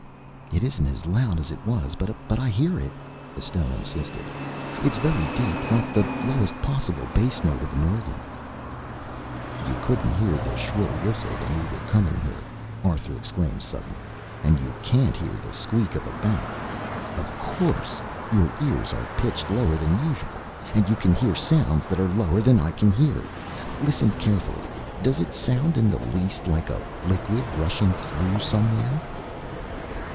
"It isn't as loud as it was, but I hear it," Estelle insisted. "It's very deep, like the lowest possible bass note of an organ." "You couldn't hear the shrill whistle when we were coming here," Arthur exclaimed suddenly, "and you can't hear the squeak of a bat. Of course your ears are pitched lower than usual, and you can hear sounds that are lower than I can hear. Listen carefully. Does it sound in the least like a liquid rushing through somewhere?"